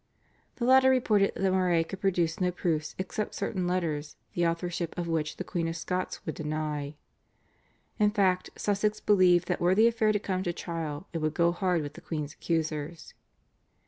The latter reported that Moray could produce no proofs except certain letters the authorship of which the Queen of Scots would deny. In fact, Sussex believed that were the affair to come to trial it would go hard with the queen's accusers.